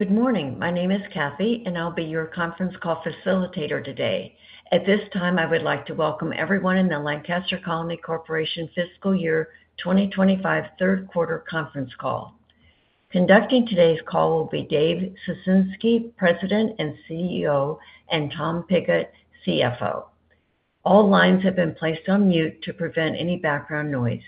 Good morning. My name is Kathy, and I'll be your conference call facilitator today. At this time, I would like to welcome everyone to the Lancaster Colony Corporation Fiscal Year 2025 Third Quarter Conference Call. Conducting today's call will be Dave Ciesinski, President and CEO, and Tom Pigott, CFO. All lines have been placed on mute to prevent any background noise.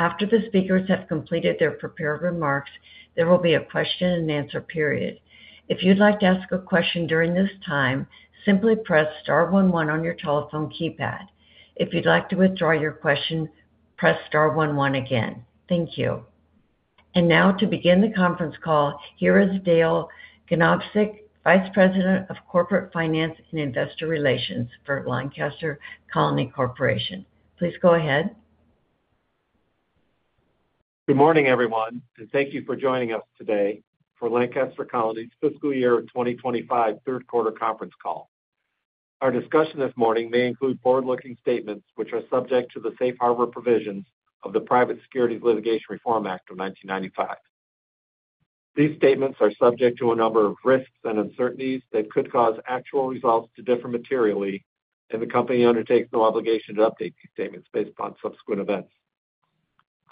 After the speakers have completed their prepared remarks, there will be a question-and-answer period. If you'd like to ask a question during this time, simply press star one one on your telephone keypad. If you'd like to withdraw your question, press star one one again. Thank you. To begin the conference call, here is Dale Ganobsik, Vice President of Corporate Finance and Investor Relations for Lancaster Colony Corporation. Please go ahead. Good morning, everyone, and thank you for joining us today for Lancaster Colony's Fiscal Year 2025 Third Quarter Conference Call. Our discussion this morning may include forward-looking statements which are subject to the safe harbor provisions of the Private Securities Litigation Reform Act of 1995. These statements are subject to a number of risks and uncertainties that could cause actual results to differ materially, and the company undertakes no obligation to update these statements based upon subsequent events.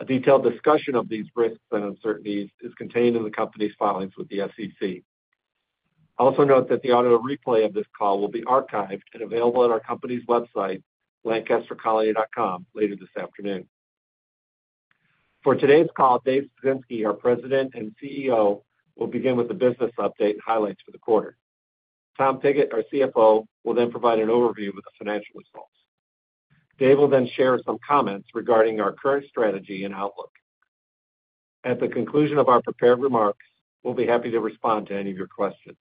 A detailed discussion of these risks and uncertainties is contained in the company's filings with the SEC. Also note that the audio replay of this call will be archived and available at our company's website, lancastercolony.com, later this afternoon. For today's call, Dave Ciesinski, our President and CEO, will begin with the business update and highlights for the quarter. Tom Pigott, our CFO, will then provide an overview of the financial results. Dave will then share some comments regarding our current strategy and outlook. At the conclusion of our prepared remarks, we'll be happy to respond to any of your questions.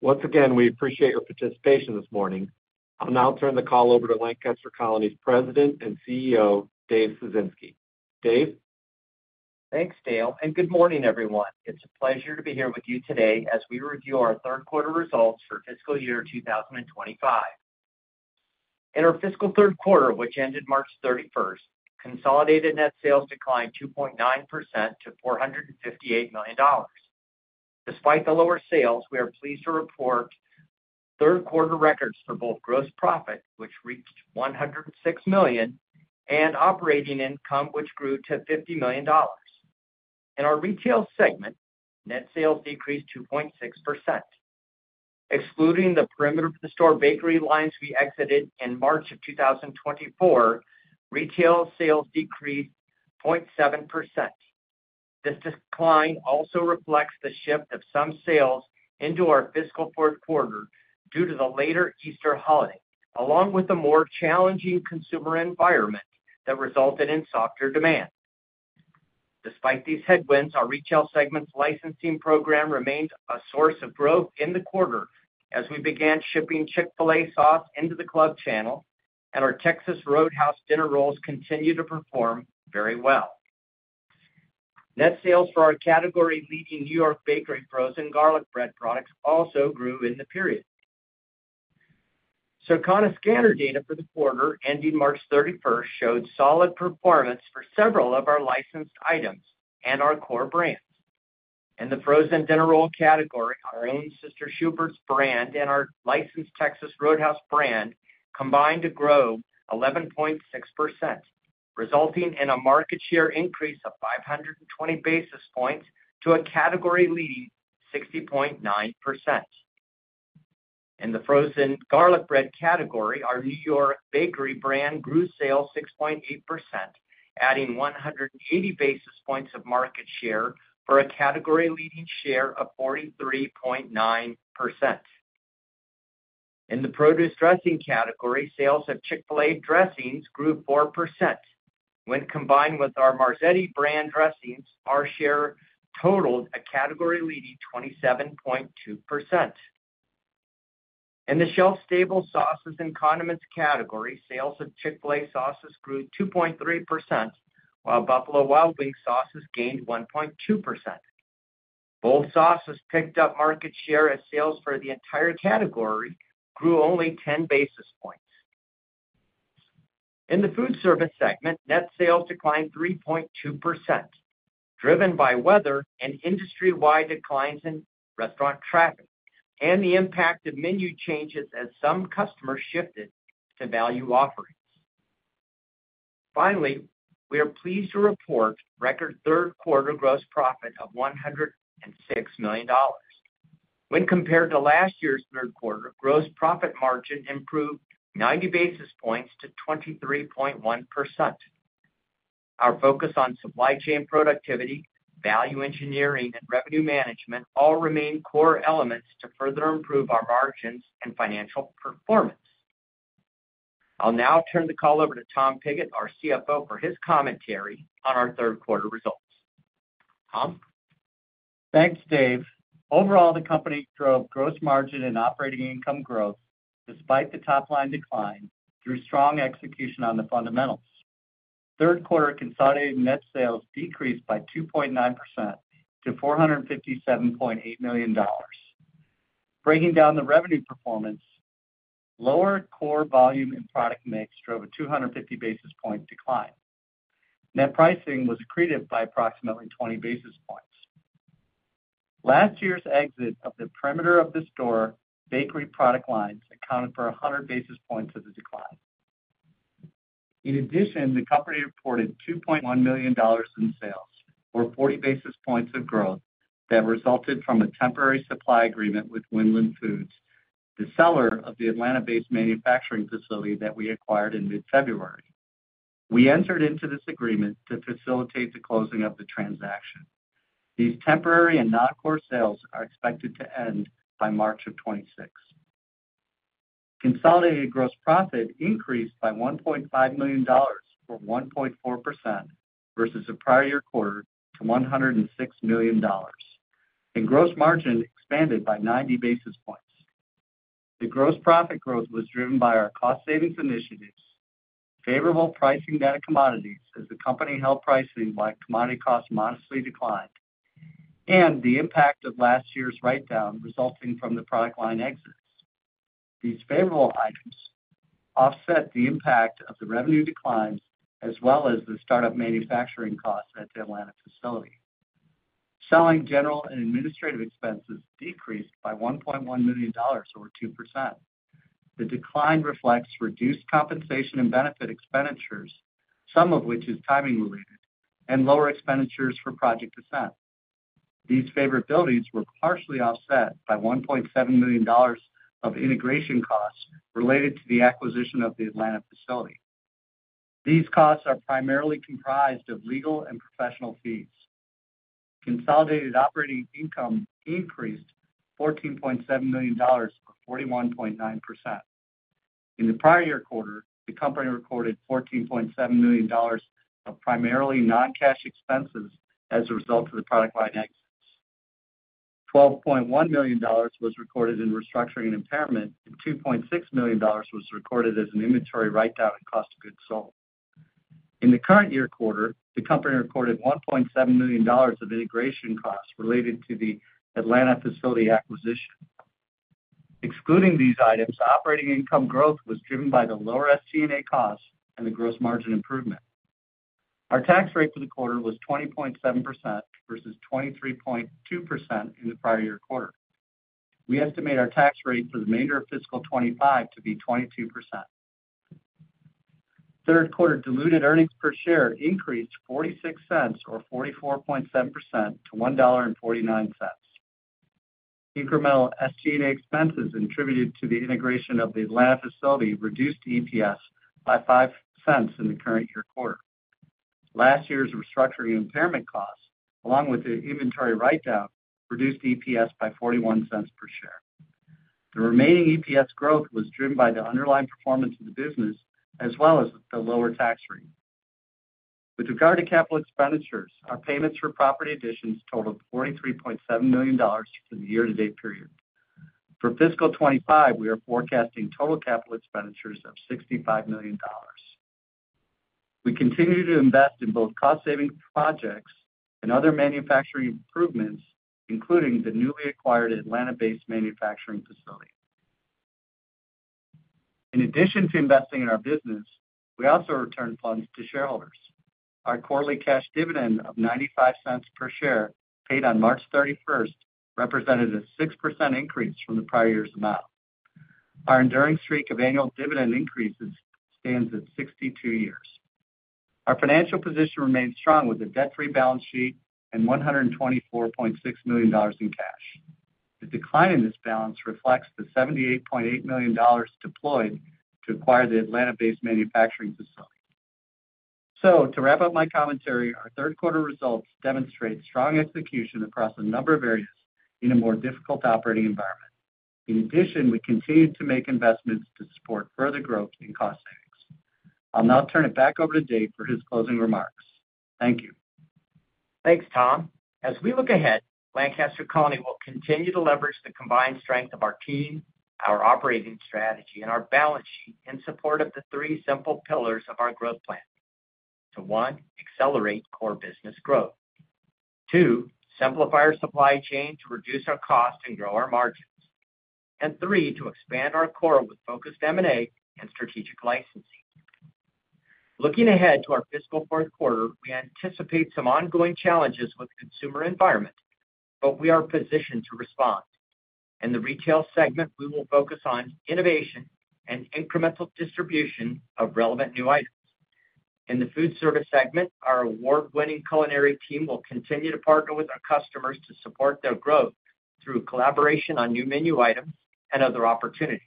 Once again, we appreciate your participation this morning. I'll now turn the call over to Lancaster Colony's President and CEO, Dave Ciesinski. Dave? Thanks, Dale, and good morning, everyone. It's a pleasure to be here with you today as we review our third quarter results for Fiscal Year 2025. In our fiscal third quarter, which ended March 31, consolidated net sales declined 2.9% to $458 million. Despite the lower sales, we are pleased to report third quarter records for both gross profit, which reached $106 million, and operating income, which grew to $50 million. In our retail segment, net sales decreased 2.6%. Excluding the perimeter-to-store bakery lines we exited in March of 2024, retail sales decreased 0.7%. This decline also reflects the shift of some sales into our fiscal fourth quarter due to the later Easter holiday, along with a more challenging consumer environment that resulted in softer demand. Despite these headwinds, our retail segment's licensing program remained a source of growth in the quarter as we began shipping Chick-fil-A Sauce into the club channel, and our Texas Roadhouse dinner rolls continue to perform very well. Net sales for our category-leading New York Bakery frozen garlic bread products also grew in the period. Circana scanner data for the quarter ending March 31 showed solid performance for several of our licensed items and our core brands. In the frozen dinner roll category, our own Sister Schubert's brand and our licensed Texas Roadhouse brand combined to grow 11.6%, resulting in a market share increase of 520 basis points to a category-leading 60.9%. In the frozen garlic bread category, our New York Bakery brand grew sales 6.8%, adding 180 basis points of market share for a category-leading share of 43.9%. In the produce dressing category, sales of Chick-fil-A Dressings grew 4%. When combined with our Marzetti brand dressings, our share totaled a category-leading 27.2%. In the shelf-stable sauces and condiments category, sales of Chick-fil-A sauces grew 2.3%, while Buffalo Wild Wings sauces gained 1.2%. Both sauces picked up market share as sales for the entire category grew only 10 basis points. In the food service segment, net sales declined 3.2%, driven by weather and industry-wide declines in restaurant traffic and the impact of menu changes as some customers shifted to value offerings. Finally, we are pleased to report record third quarter gross profit of $106 million. When compared to last year's third quarter, gross profit margin improved 90 basis points to 23.1%. Our focus on supply chain productivity, value engineering, and revenue management all remain core elements to further improve our margins and financial performance. I'll now turn the call over to Tom Pigott, our CFO, for his commentary on our third quarter results. Tom? Thanks, Dave. Overall, the company drove gross margin and operating income growth despite the top-line decline through strong execution on the fundamentals. Third quarter consolidated net sales decreased by 2.9% to $457.8 million. Breaking down the revenue performance, lower core volume and product mix drove a 250 basis point decline. Net pricing was accretive by approximately 20 basis points. Last year's exit of the perimeter-of-the-store bakery product lines accounted for 100 basis points of the decline. In addition, the company reported $2.1 million in sales, or 40 basis points of growth, that resulted from a temporary supply agreement with Winland Foods, the seller of the Atlanta-based manufacturing facility that we acquired in mid-February. We entered into this agreement to facilitate the closing of the transaction. These temporary and non-core sales are expected to end by March of 2026. Consolidated gross profit increased by $1.5 million, or 1.4%, versus the prior year quarter to $106 million, and gross margin expanded by 90 basis points. The gross profit growth was driven by our cost-savings initiatives, favorable pricing net of commodities as the company held pricing by commodity costs modestly declined, and the impact of last year's write-down resulting from the product line exits. These favorable items offset the impact of the revenue declines as well as the startup manufacturing costs at the Atlanta facility. Selling general and administrative expenses decreased by $1.1 million, or 2%. The decline reflects reduced compensation and benefit expenditures, some of which is timing-related, and lower expenditures for Project Ascent. These favorabilities were partially offset by $1.7 million of integration costs related to the acquisition of the Atlanta facility. These costs are primarily comprised of legal and professional fees. Consolidated operating income increased $14.7 million, or 41.9%. In the prior year quarter, the company recorded $14.7 million of primarily non-cash expenses as a result of the product line exits. $12.1 million was recorded in restructuring and impairment, and $2.6 million was recorded as an inventory write-down and cost of goods sold. In the current year quarter, the company recorded $1.7 million of integration costs related to the Atlanta facility acquisition. Excluding these items, operating income growth was driven by the lower SG&A costs and the gross margin improvement. Our tax rate for the quarter was 20.7% versus 23.2% in the prior year quarter. We estimate our tax rate for the remainder of fiscal 2025 to be 22%. Third quarter diluted earnings per share increased 46 cents, or 44.7%, to $1.49. Incremental SG&A expenses attributed to the integration of the Atlanta facility reduced EPS by $0.05 in the current year quarter. Last year's restructuring and impairment costs, along with the inventory write-down, reduced EPS by $0.41 per share. The remaining EPS growth was driven by the underlying performance of the business as well as the lower tax rate. With regard to capital expenditures, our payments for property additions totaled $43.7 million for the year-to-date period. For fiscal 2025, we are forecasting total capital expenditures of $65 million. We continue to invest in both cost-saving projects and other manufacturing improvements, including the newly acquired Atlanta-based manufacturing facility. In addition to investing in our business, we also return funds to shareholders. Our quarterly cash dividend of $0.95 per share paid on March 31st represented a 6% increase from the prior year's amount. Our enduring streak of annual dividend increases stands at 62 years. Our financial position remains strong with a debt-free balance sheet and $124.6 million in cash. The decline in this balance reflects the $78.8 million deployed to acquire the Atlanta-based manufacturing facility. To wrap up my commentary, our third quarter results demonstrate strong execution across a number of areas in a more difficult operating environment. In addition, we continue to make investments to support further growth and cost savings. I'll now turn it back over to Dave for his closing remarks. Thank you. Thanks, Tom. As we look ahead, Lancaster Colony will continue to leverage the combined strength of our team, our operating strategy, and our balance sheet in support of the three simple pillars of our growth plan. One, accelerate core business growth. Two, simplify our supply chain to reduce our cost and grow our margins. Three, to expand our core with focused M&A and strategic licensing. Looking ahead to our fiscal fourth quarter, we anticipate some ongoing challenges with the consumer environment, but we are positioned to respond. In the retail segment, we will focus on innovation and incremental distribution of relevant new items. In the food service segment, our award-winning culinary team will continue to partner with our customers to support their growth through collaboration on new menu items and other opportunities.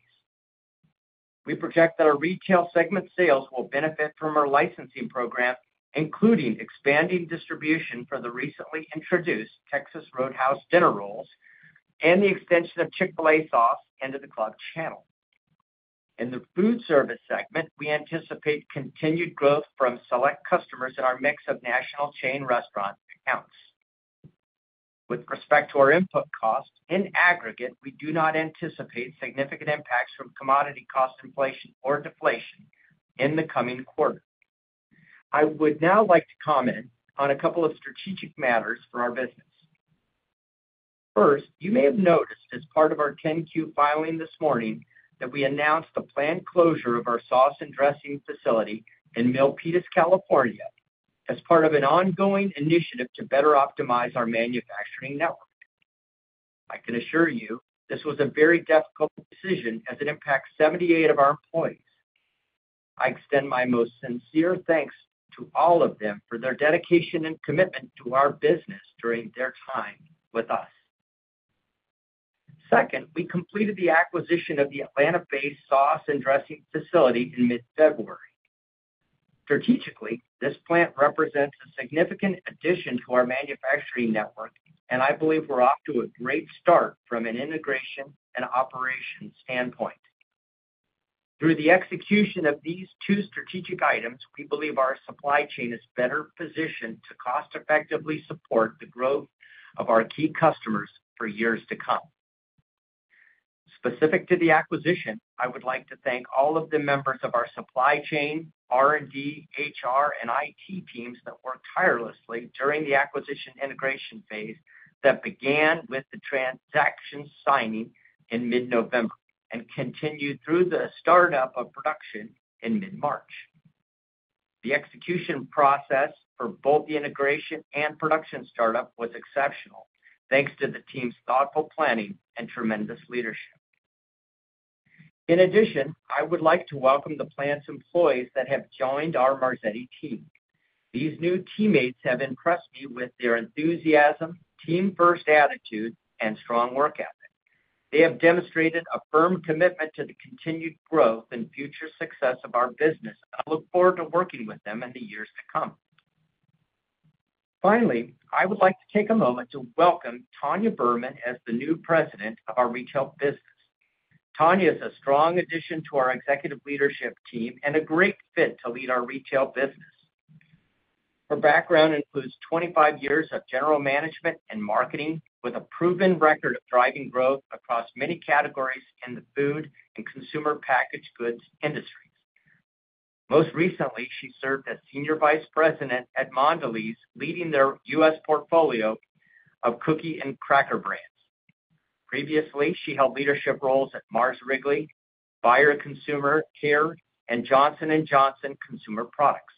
We project that our retail segment sales will benefit from our licensing program, including expanding distribution for the recently introduced Texas Roadhouse dinner rolls and the extension of Chick-fil-A sauce into the Club channel. In the food service segment, we anticipate continued growth from select customers in our mix of national chain restaurant accounts. With respect to our input costs, in aggregate, we do not anticipate significant impacts from commodity cost inflation or deflation in the coming quarter. I would now like to comment on a couple of strategic matters for our business. First, you may have noticed as part of our 10Q filing this morning that we announced the planned closure of our sauce and dressing facility in Milpitas, California, as part of an ongoing initiative to better optimize our manufacturing network. I can assure you this was a very difficult decision as it impacts 78 of our employees. I extend my most sincere thanks to all of them for their dedication and commitment to our business during their time with us. Second, we completed the acquisition of the Atlanta-based sauce and dressing facility in mid-February. Strategically, this plant represents a significant addition to our manufacturing network, and I believe we're off to a great start from an integration and operations standpoint. Through the execution of these two strategic items, we believe our supply chain is better positioned to cost-effectively support the growth of our key customers for years to come. Specific to the acquisition, I would like to thank all of the members of our supply chain, R&D, HR, and IT teams that worked tirelessly during the acquisition integration phase that began with the transaction signing in mid-November and continued through the startup of production in mid-March. The execution process for both the integration and production startup was exceptional, thanks to the team's thoughtful planning and tremendous leadership. In addition, I would like to welcome the plant's employees that have joined our Marzetti team. These new teammates have impressed me with their enthusiasm, team-first attitude, and strong work ethic. They have demonstrated a firm commitment to the continued growth and future success of our business, and I look forward to working with them in the years to come. Finally, I would like to take a moment to welcome Tanya Berman as the new president of our retail business. Tanya is a strong addition to our executive leadership team and a great fit to lead our retail business. Her background includes 25 years of general management and marketing with a proven record of driving growth across many categories in the food and consumer packaged goods industries. Most recently, she served as Senior Vice President at Mondelez, leading their U.S. portfolio of cookie and cracker brands. Previously, she held leadership roles at Mars Wrigley, Bayer Consumer Care, and Johnson & Johnson Consumer Products.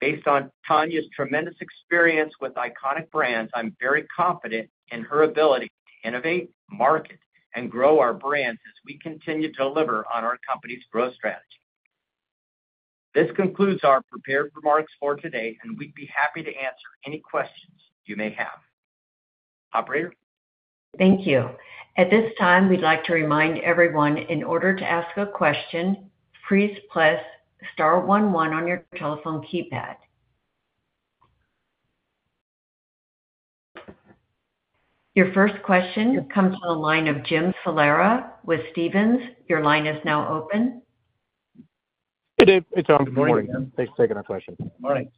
Based on Tanya's tremendous experience with iconic brands, I'm very confident in her ability to innovate, market, and grow our brands as we continue to deliver on our company's growth strategy. This concludes our prepared remarks for today, and we'd be happy to answer any questions you may have. Operator? Thank you. At this time, we'd like to remind everyone, in order to ask a question, please press star 11 on your telephone keypad. Your first question comes from the line of Jim Salera with Stephens. Your line is now open. Hey, Dave. It's Tom. Good morning. Thanks for taking our question. All right.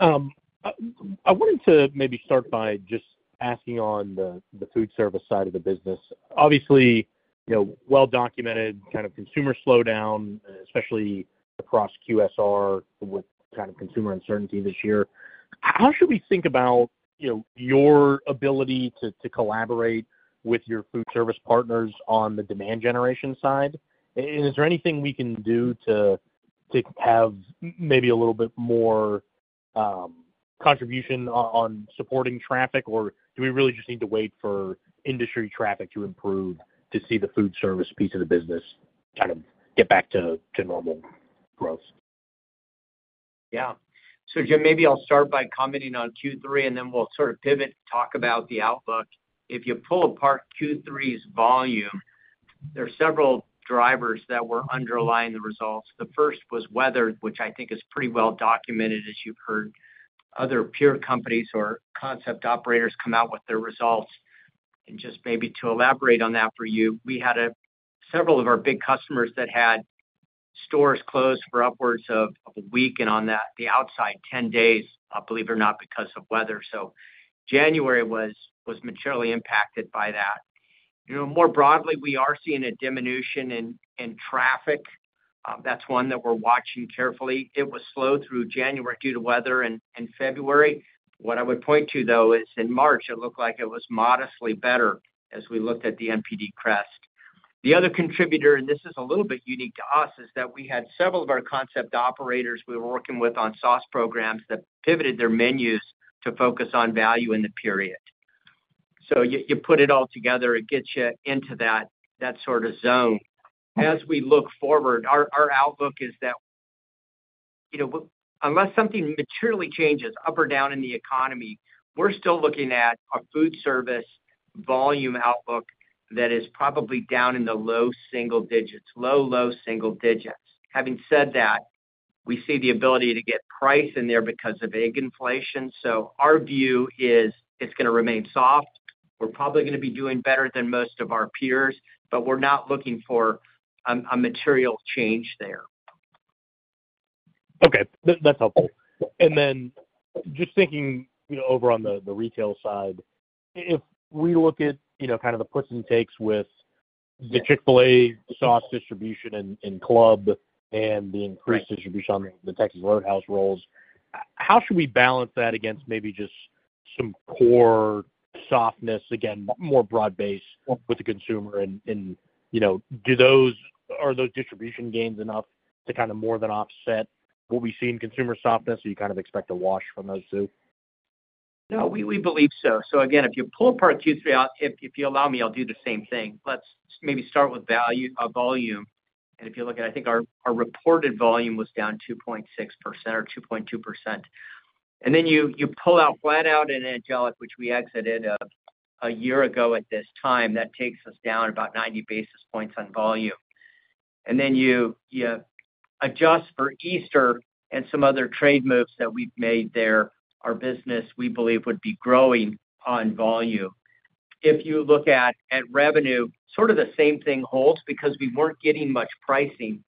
I wanted to maybe start by just asking on the food service side of the business. Obviously, well-documented kind of consumer slowdown, especially across QSR with kind of consumer uncertainty this year. How should we think about your ability to collaborate with your food service partners on the demand generation side? Is there anything we can do to have maybe a little bit more contribution on supporting traffic, or do we really just need to wait for industry traffic to improve to see the food service piece of the business kind of get back to normal growth? Yeah. Jim, maybe I'll start by commenting on Q3, and then we'll sort of pivot and talk about the outlook. If you pull apart Q3's volume, there are several drivers that were underlying the results. The first was weather, which I think is pretty well-documented, as you've heard other peer companies or concept operators come out with their results. Just to elaborate on that for you, we had several of our big customers that had stores closed for upwards of a week and on the outside 10 days, believe it or not, because of weather. January was materially impacted by that. More broadly, we are seeing a diminution in traffic. That's one that we're watching carefully. It was slow through January due to weather in February. What I would point to, though, is in March, it looked like it was modestly better as we looked at the NPD Crest. The other contributor, and this is a little bit unique to us, is that we had several of our concept operators we were working with on sauce programs that pivoted their menus to focus on value in the period. You put it all together, it gets you into that sort of zone. As we look forward, our outlook is that unless something materially changes up or down in the economy, we're still looking at a food service volume outlook that is probably down in the low single digits, low, low single digits. Having said that, we see the ability to get price in there because of egg inflation. Our view is it's going to remain soft. We're probably going to be doing better than most of our peers, but we're not looking for a material change there. Okay. That's helpful. Then just thinking over on the retail side, if we look at kind of the puts and takes with the Chick-fil-A sauce distribution in Club and the increased distribution on the Texas Roadhouse rolls, how should we balance that against maybe just some core softness, again, more broad-based with the consumer? Are those distribution gains enough to kind of more than offset what we see in consumer softness? Do you kind of expect a wash from those two? No, we believe so. If you pull apart Q3 out, if you allow me, I'll do the same thing. Let's maybe start with volume. If you look at, I think our reported volume was down 2.6% or 2.2%. If you pull out Flatout and Angelic, which we exited a year ago at this time, that takes us down about 90 basis points on volume. If you adjust for Easter and some other trade moves that we've made there, our business, we believe, would be growing on volume. If you look at revenue, sort of the same thing holds because we weren't getting much pricing.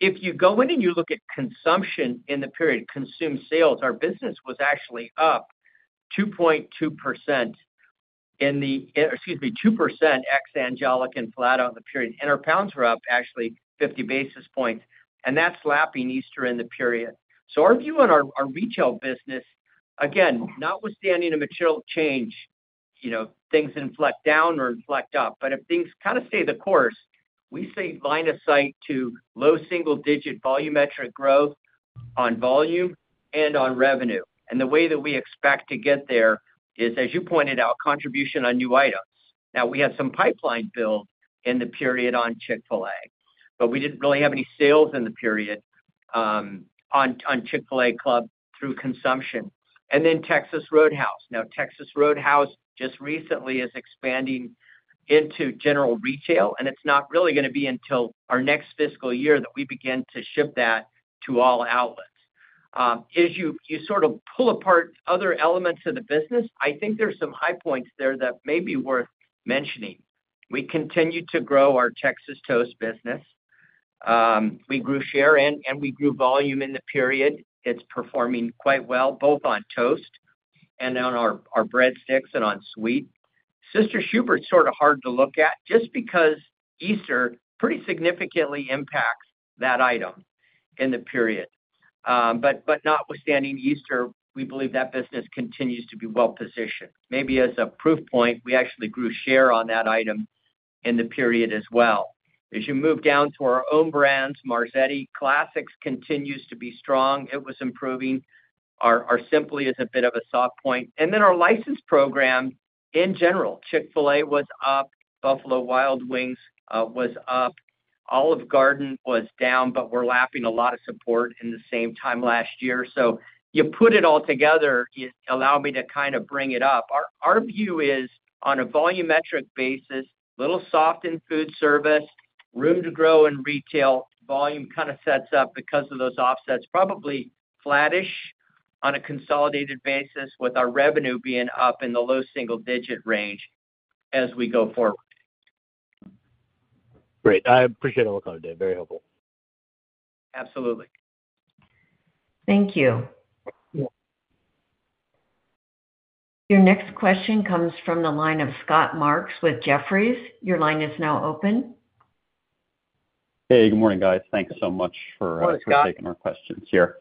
If you go in and you look at consumption in the period, consumed sales, our business was actually up 2.2% in the, excuse me, 2% ex-Angelic and Flatout in the period. Our pounds were up actually 50 basis points. That is slapping Easter in the period. Our view on our retail business, again, notwithstanding a material change, things inflect down or inflect up. If things kind of stay the course, we see line of sight to low single-digit volumetric growth on volume and on revenue. The way that we expect to get there is, as you pointed out, contribution on new items. We had some pipeline build in the period on Chick-fil-A, but we did not really have any sales in the period on Chick-fil-A Club through consumption. Texas Roadhouse just recently is expanding into general retail, and it is not really going to be until our next fiscal year that we begin to ship that to all outlets. As you sort of pull apart other elements of the business, I think there's some high points there that may be worth mentioning. We continue to grow our Texas Toast business. We grew share and we grew volume in the period. It's performing quite well, both on toast and on our breadsticks and on sweet. Sister Schubert's sort of hard to look at just because Easter pretty significantly impacts that item in the period. Notwithstanding Easter, we believe that business continues to be well-positioned. Maybe as a proof point, we actually grew share on that item in the period as well. As you move down to our own brands, Marzetti Classics continues to be strong. It was improving. Our Simply is a bit of a soft point. Our license program in general, Chick-fil-A was up, Buffalo Wild Wings was up, Olive Garden was down, but we're lapping a lot of support in the same time last year. You put it all together, allow me to kind of bring it up. Our view is on a volumetric basis, a little soft in food service, room to grow in retail, volume kind of sets up because of those offsets, probably flattish on a consolidated basis with our revenue being up in the low single-digit range as we go forward. Great. I appreciate it all, Dave. Very helpful. Absolutely. Thank you. Your next question comes from the line of Scott Marks with Jefferies. Your line is now open. Hey, good morning, guys. Thanks so much for taking our questions here.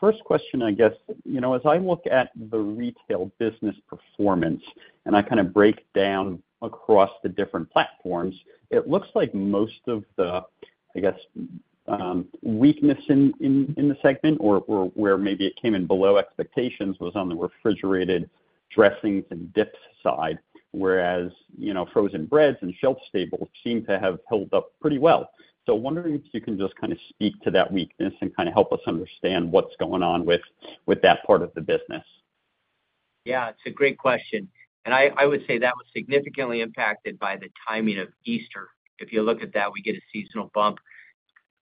First question, I guess, as I look at the retail business performance and I kind of break down across the different platforms, it looks like most of the, I guess, weakness in the segment or where maybe it came in below expectations was on the refrigerated dressings and dips side, whereas frozen breads and shelf staples seem to have held up pretty well. I am wondering if you can just kind of speak to that weakness and kind of help us understand what's going on with that part of the business? Yeah, it's a great question. I would say that was significantly impacted by the timing of Easter. If you look at that, we get a seasonal bump.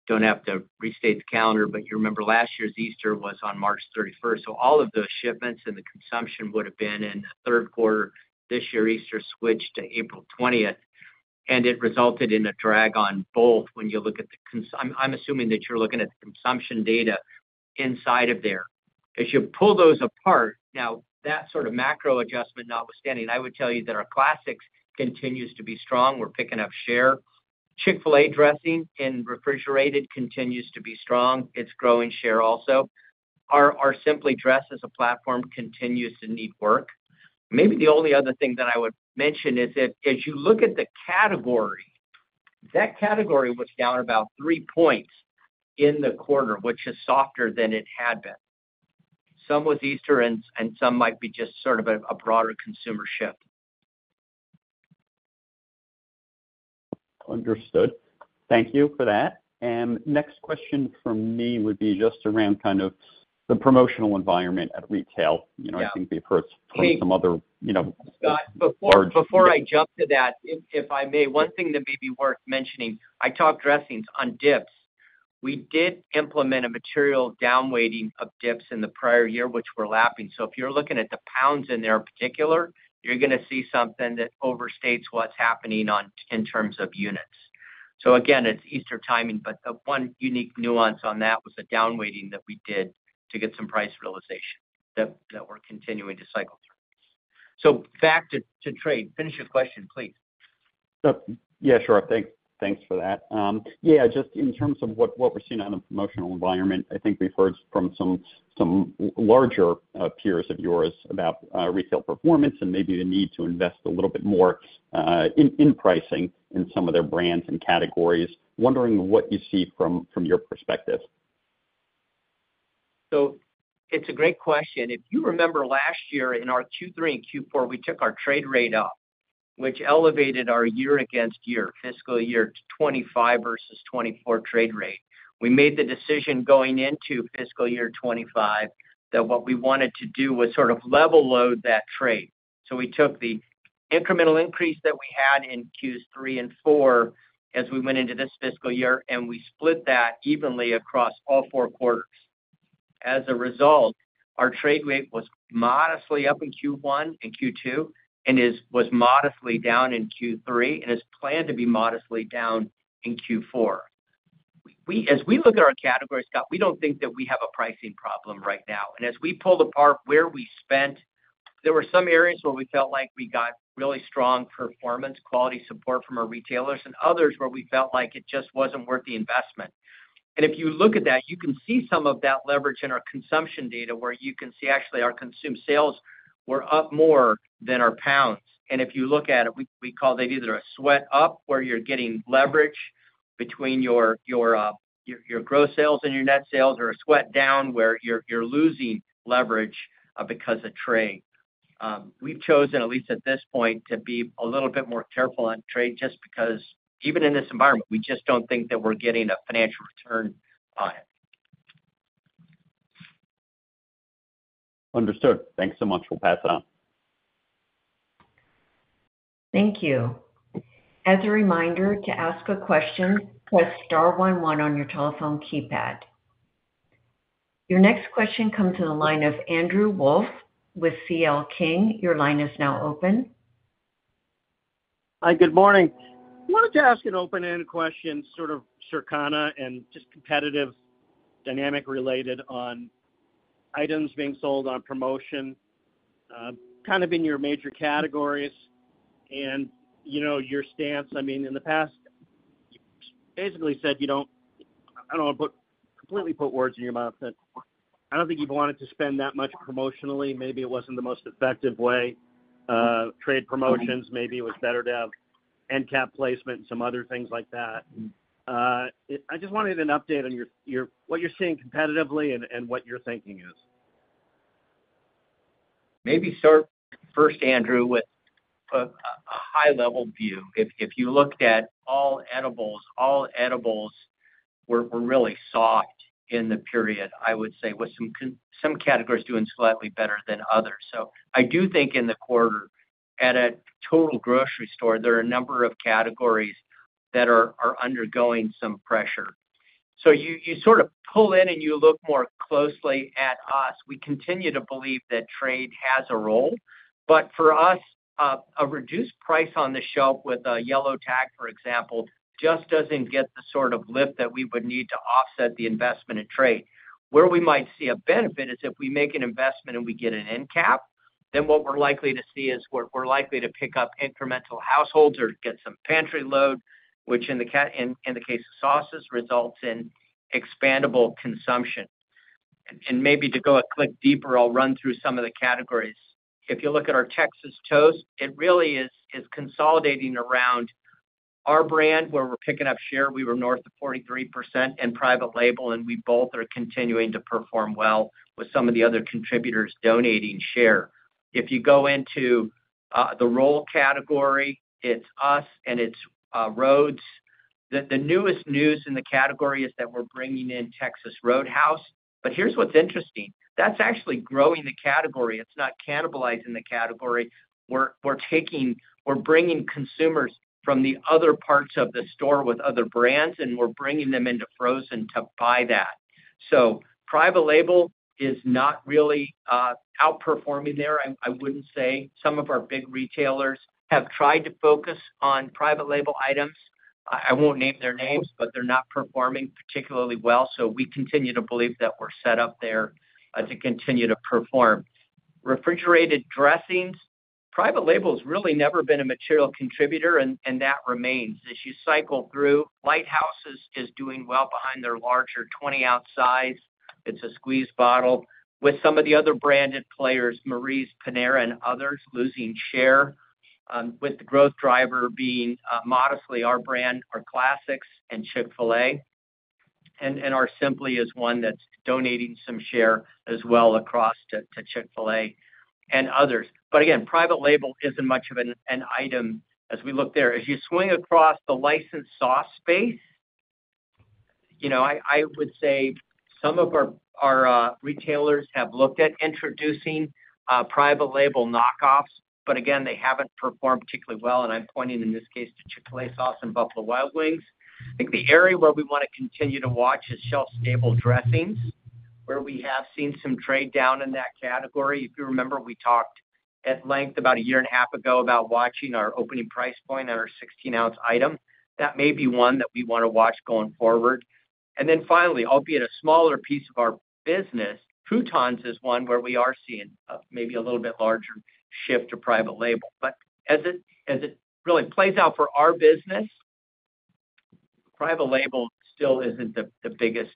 Don't have to restate the calendar, but you remember last year's Easter was on March 31. All of those shipments and the consumption would have been in the third quarter. This year, Easter switched to April 20, and it resulted in a drag on both when you look at the consumption. I'm assuming that you're looking at the consumption data inside of there. As you pull those apart, now, that sort of macro adjustment, notwithstanding, I would tell you that our Classics continues to be strong. We're picking up share. Chick-fil-A dressing in refrigerated continues to be strong. It's growing share also. Our Simply Dressed as a platform continues to need work. Maybe the only other thing that I would mention is that as you look at the category, that category was down about three points in the quarter, which is softer than it had been. Some was Easter, and some might be just sort of a broader consumer shift. Understood. Thank you for that. The next question for me would be just around kind of the promotional environment at retail. I think we've heard from some other large? Scott, before I jump to that, if I may, one thing that may be worth mentioning, I talked dressings on dips. We did implement a material downweighing of dips in the prior year, which we are lapping. If you are looking at the pounds in there in particular, you are going to see something that overstates what is happening in terms of units. It is Easter timing, but the one unique nuance on that was a downweighing that we did to get some price realization that we are continuing to cycle through. Back to trade. Finish your question, please. Yeah, sure. Thanks for that. Yeah, just in terms of what we're seeing on the promotional environment, I think we've heard from some larger peers of yours about retail performance and maybe the need to invest a little bit more in pricing in some of their brands and categories. Wondering what you see from your perspective? It is a great question. If you remember last year in our Q3 and Q4, we took our trade rate up, which elevated our year against year, fiscal year 2025 versus 2024 trade rate. We made the decision going into fiscal year 2025 that what we wanted to do was sort of level load that trade. We took the incremental increase that we had in Q3 and Q4 as we went into this fiscal year, and we split that evenly across all four quarters. As a result, our trade rate was modestly up in Q1 and Q2 and was modestly down in Q3 and is planned to be modestly down in Q4. As we look at our category, Scott, we do not think that we have a pricing problem right now. As we pull apart where we spent, there were some areas where we felt like we got really strong performance, quality support from our retailers, and others where we felt like it just was not worth the investment. If you look at that, you can see some of that leverage in our consumption data where you can see actually our consumed sales were up more than our pounds. If you look at it, we call that either a sweat up where you are getting leverage between your gross sales and your net sales or a sweat down where you are losing leverage because of trade. We have chosen, at least at this point, to be a little bit more careful on trade just because even in this environment, we just do not think that we are getting a financial return on it. Understood. Thanks so much. We'll pass it on. Thank you. As a reminder, to ask a question, press star one one on your telephone keypad. Your next question comes in the line of Andrew Wolf with CL King. Your line is now open. Hi, good morning. Wanted to ask an open-ended question, sort of Circana and just competitive dynamic related on items being sold on promotion, kind of in your major categories and your stance. I mean, in the past, you basically said you don't—I don't want to completely put words in your mouth. I don't think you've wanted to spend that much promotionally. Maybe it wasn't the most effective way. Trade promotions, maybe it was better to have end cap placement and some other things like that. I just wanted an update on what you're seeing competitively and what your thinking is? Maybe start first, Andrew, with a high-level view. If you looked at all edibles, all edibles were really soft in the period, I would say, with some categories doing slightly better than others. I do think in the quarter, at a total grocery store, there are a number of categories that are undergoing some pressure. You sort of pull in and you look more closely at us. We continue to believe that trade has a role. For us, a reduced price on the shelf with a yellow tag, for example, just does not get the sort of lift that we would need to offset the investment in trade. Where we might see a benefit is if we make an investment and we get an end cap, then what we're likely to see is we're likely to pick up incremental households or get some pantry load, which in the case of sauces results in expandable consumption. Maybe to go a click deeper, I'll run through some of the categories. If you look at our Texas Toast, it really is consolidating around our brand where we're picking up share. We were north of 43% and private label, and we both are continuing to perform well with some of the other contributors donating share. If you go into the roll category, it's us and it's Rhodes. The newest news in the category is that we're bringing in Texas Roadhouse. Here's what's interesting. That's actually growing the category. It's not cannibalizing the category. We're bringing consumers from the other parts of the store with other brands, and we're bringing them into frozen to buy that. Private label is not really outperforming there, I wouldn't say. Some of our big retailers have tried to focus on private label items. I won't name their names, but they're not performing particularly well. We continue to believe that we're set up there to continue to perform. Refrigerated dressings, private label has really never been a material contributor, and that remains. As you cycle through, Litehouse is doing well behind their larger 20-ounce size. It's a squeeze bottle. With some of the other branded players, Marie, Panera, and others losing share, with the growth driver being modestly our brand, our Classics and Chick-fil-A. Our Simply is one that's donating some share as well across to Chick-fil-A and others. Again, private label is not much of an item as we look there. As you swing across the licensed sauce space, I would say some of our retailers have looked at introducing private label knockoffs, but they have not performed particularly well. I am pointing in this case to Chick-fil-A sauce and Buffalo Wild Wings. I think the area where we want to continue to watch is shelf stable dressings, where we have seen some trade down in that category. If you remember, we talked at length about a year and a half ago about watching our opening price point on our 16-ounce item. That may be one that we want to watch going forward. Finally, albeit a smaller piece of our business, Croutons is one where we are seeing maybe a little bit larger shift to private label. As it really plays out for our business, private label still isn't the biggest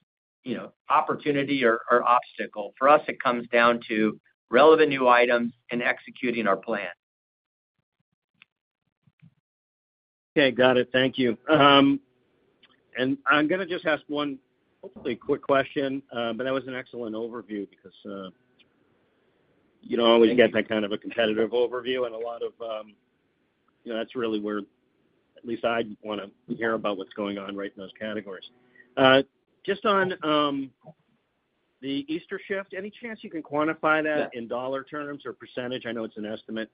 opportunity or obstacle. For us, it comes down to relevant new items and executing our plan. Okay. Got it. Thank you. I'm going to just ask one quick question, but that was an excellent overview because I always get that kind of a competitive overview and a lot of that's really where at least I want to hear about what's going on right in those categories. Just on the Easter shift, any chance you can quantify that in dollar terms or percentage? I know it's an estimate,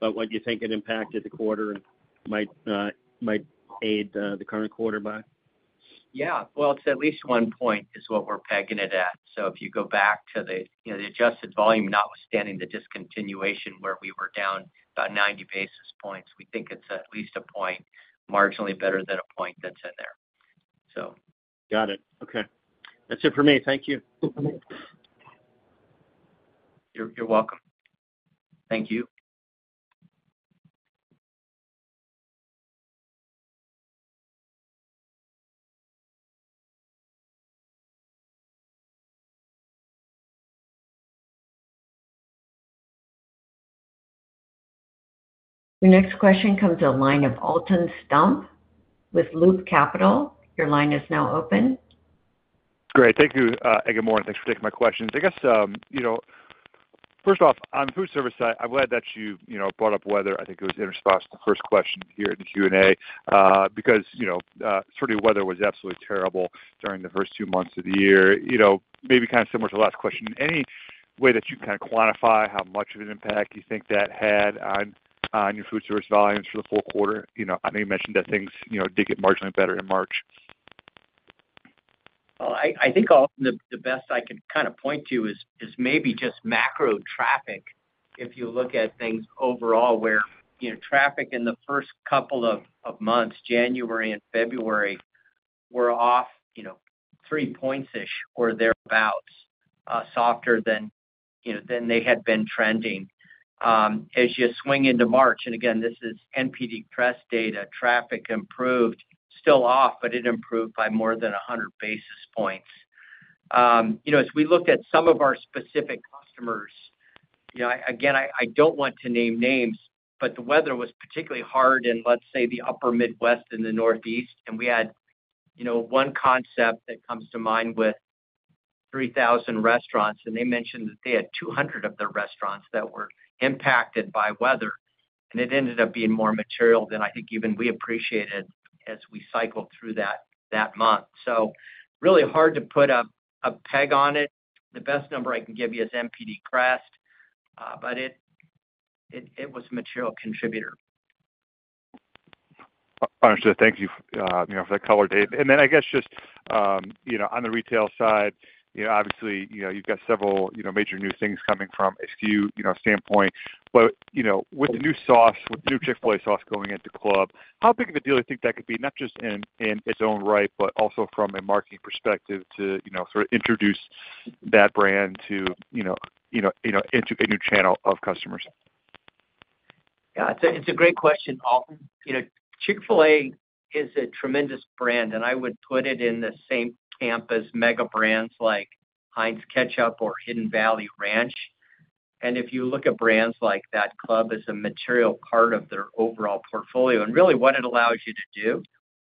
but what do you think it impacted the quarter and might aid the current quarter by? Yeah. It is at least one point is what we are pegging it at. If you go back to the adjusted volume, notwithstanding the discontinuation where we were down about 90 basis points, we think it is at least a point, marginally better than a point that is in there. Got it. Okay. That's it for me. Thank you. You're welcome. Thank you. Your next question comes to the line of Alton Stump with Loop Capital. Your line is now open. Great. Thank you, good morning. Thanks for taking my questions. I guess, first off, on the food service side, I'm glad that you brought up weather. I think it was in response to the first question here in the Q&A because certainly weather was absolutely terrible during the first two months of the year. Maybe kind of similar to the last question, any way that you can kind of quantify how much of an impact you think that had on your food service volumes for the full quarter? I know you mentioned that things did get marginally better in March. I think the best I can kind of point to is maybe just macro traffic. If you look at things overall, where traffic in the first couple of months, January and February, were off three points-ish or thereabouts, softer than they had been trending. As you swing into March, and again, this is NPD CREST data, traffic improved, still off, but it improved by more than 100 basis points. As we looked at some of our specific customers, again, I do not want to name names, but the weather was particularly hard in, let's say, the Upper Midwest and the Northeast. We had one concept that comes to mind with 3,000 restaurants, and they mentioned that they had 200 of their restaurants that were impacted by weather. It ended up being more material than I think even we appreciated as we cycled through that month. Really hard to put a peg on it. The best number I can give you is NPD Crest, but it was a material contributor. Understood. Thank you for that color, Dave. I guess just on the retail side, obviously, you've got several major new things coming from SKU standpoint. With the new sauce, with the new Chick-fil-A Sauce going into club, how big of a deal do you think that could be, not just in its own right, but also from a marketing perspective to sort of introduce that brand to a new channel of customers? Yeah. It's a great question, Alton. Chick-fil-A is a tremendous brand, and I would put it in the same camp as mega brands like Heinz ketchup or Hidden Valley Ranch. If you look at brands like that, club is a material part of their overall portfolio. What it allows you to do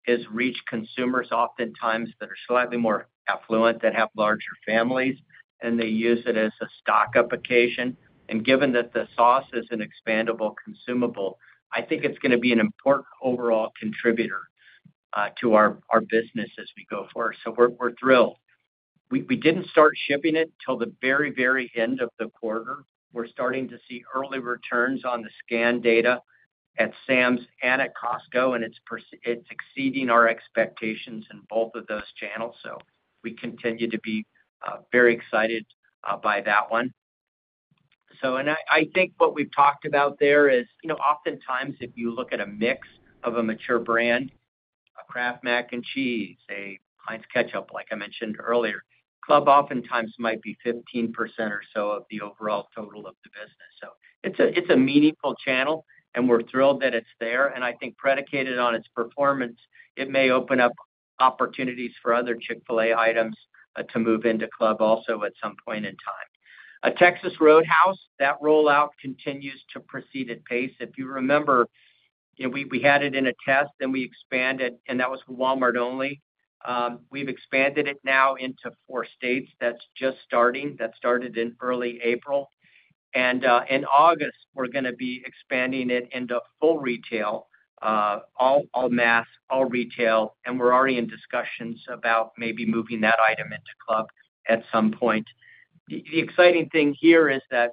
is reach consumers oftentimes that are slightly more affluent, that have larger families, and they use it as a stock up occasion. Given that the sauce is an expandable consumable, I think it's going to be an important overall contributor to our business as we go forward. We're thrilled. We did not start shipping it until the very, very end of the quarter. We're starting to see early returns on the scan data at Sam's and at Costco, and it's exceeding our expectations in both of those channels. We continue to be very excited by that one. I think what we've talked about there is oftentimes if you look at a mix of a mature brand, a Kraft Mac and Cheese, a Heinz ketchup, like I mentioned earlier, club oftentimes might be 15% or so of the overall total of the business. It is a meaningful channel, and we're thrilled that it's there. I think predicated on its performance, it may open up opportunities for other Chick-fil-A items to move into club also at some point in time. At Texas Roadhouse, that rollout continues to proceed at pace. If you remember, we had it in a test, then we expanded, and that was Walmart only. We've expanded it now into four states. That's just starting. That started in early April. In August, we're going to be expanding it into full retail, all mass, all retail. We're already in discussions about maybe moving that item into club at some point. The exciting thing here is that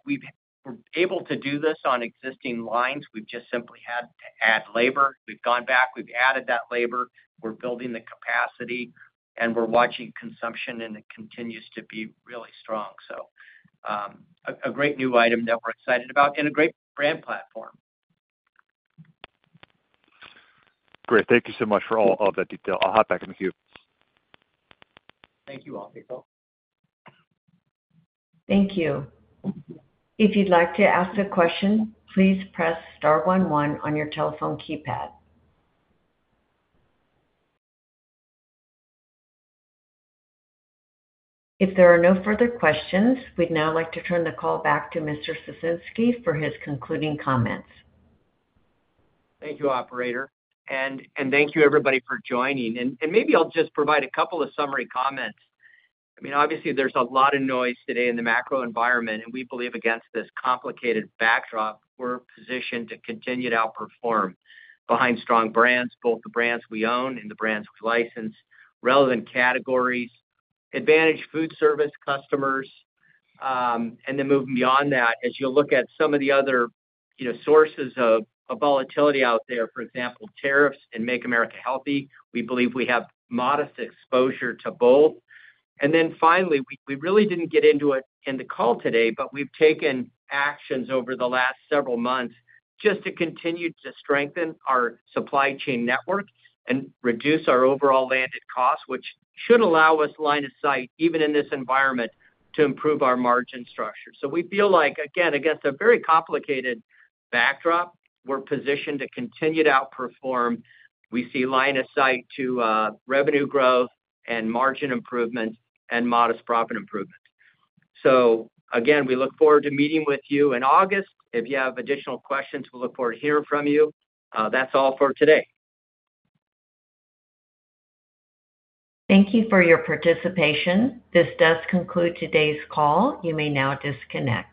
we're able to do this on existing lines. We've just simply had to add labor. We've gone back. We've added that labor. We're building the capacity, and we're watching consumption, and it continues to be really strong. A great new item that we're excited about and a great brand platform. Great. Thank you so much for all of that detail. I'll hop back in with you. Thank you all, people. Thank you. If you'd like to ask a question, please press star 11 on your telephone keypad. If there are no further questions, we'd now like to turn the call back to Mr. Ciesinski for his concluding comments. Thank you, operator. Thank you, everybody, for joining. Maybe I'll just provide a couple of summary comments. I mean, obviously, there's a lot of noise today in the macro environment, and we believe against this complicated backdrop, we're positioned to continue to outperform behind strong brands, both the brands we own and the brands we license, relevant categories, advantage food service customers. Moving beyond that, as you look at some of the other sources of volatility out there, for example, tariffs and Make America Healthy, we believe we have modest exposure to both. Finally, we really didn't get into it in the call today, but we've taken actions over the last several months just to continue to strengthen our supply chain network and reduce our overall landed costs, which should allow us line of sight, even in this environment, to improve our margin structure. We feel like, again, against a very complicated backdrop, we're positioned to continue to outperform. We see line of sight to revenue growth and margin improvement and modest profit improvement. Again, we look forward to meeting with you in August. If you have additional questions, we'll look forward to hearing from you. That's all for today. Thank you for your participation. This does conclude today's call. You may now disconnect.